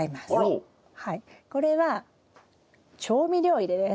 これは調味料入れです。